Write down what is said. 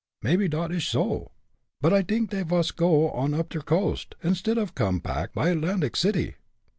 "Mebbe dot ish so, but I dink dey vas go on up der coast, instead off cum pack by Atlantic City."